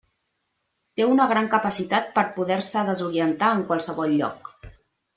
Té una gran capacitat per poder-se desorientar en qualsevol lloc.